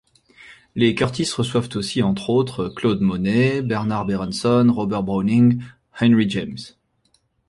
Les Curtis reçoivent aussi entre autres Claude Monet, Bernard Berenson, Robert Browning, Henry James.